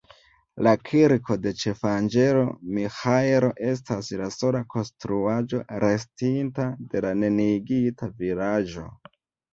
La Kirko de Ĉefanĝelo Miĥaelo estas la sola konstruaĵo, restinta de la neniigita vilaĝo.